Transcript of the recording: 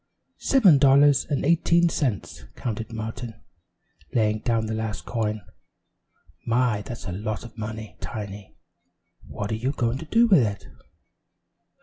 "Seven dollars and eighteen cents," counted Martin, laying down the last coin. "My! that's a lot of money, Tiny. What are you going to do with it?"